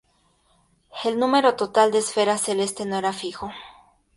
El número total de esferas celestes no era fijo.